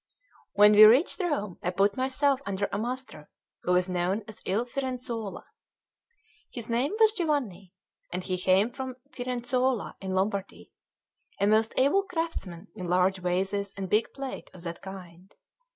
When we reached Rome, I put myself under a master who was known as Il Firenzuola. His name was Giovanni, and he came from Firenzuola in Lombardy, a most able craftsman in large vases and big plate of that kind.